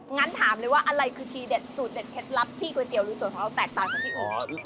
งั้นถามเลยว่าอะไรสูตรเด็ดเผ็ดลับที่ก๋วยเตี๋ยวหรือส่วนของเราแตกต่างจากที่อื่น